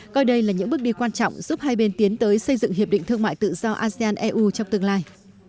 coi đây là những bước đi quan trọng giúp hai bên tiến tới xây dựng hiệp định thương mại tự do asean eu trong tương lai